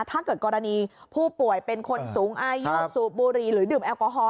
ถ้าเกิดกรณีผู้ป่วยเป็นคนสูงอายุสูบบุหรี่หรือดื่มแอลกอฮอล